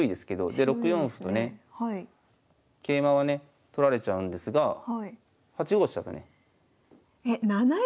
で６四歩とね桂馬はね取られちゃうんですが８五飛車とね。